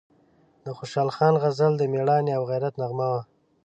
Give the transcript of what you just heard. د خوشحال خان غزل د میړانې او غیرت نغمه وه،